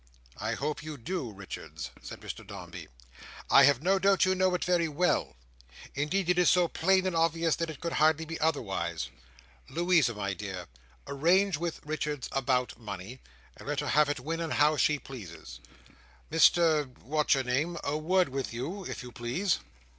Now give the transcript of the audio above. "I hope you do, Richards," said Mr Dombey. "I have no doubt you know it very well. Indeed it is so plain and obvious that it could hardly be otherwise. Louisa, my dear, arrange with Richards about money, and let her have it when and how she pleases. Mr what's your name, a word with you, if you please!"